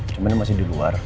cuman masih di luar